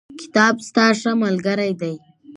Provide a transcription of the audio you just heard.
کتاب ستا ښه ملګری دی.